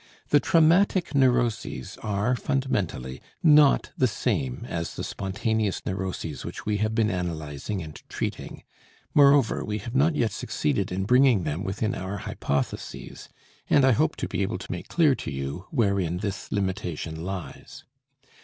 The traumatic neuroses are, fundamentally, not the same as the spontaneous neuroses which we have been analysing and treating; moreover, we have not yet succeeded in bringing them within our hypotheses, and I hope to be able to make clear to you wherein this limitation lies.